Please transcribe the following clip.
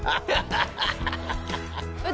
ハハハハッ！